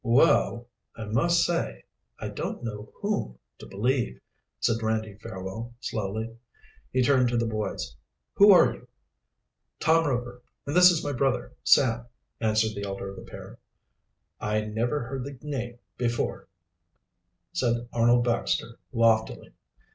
"Well, I must say I don't know whom to believe," said Randy Fairwell slowly. He turned to the boys. "Who are you?" "Tom Rover, and this is my brother Sam," answered the elder of the pair. "I never heard the name before," said Arnold Baxter loftily.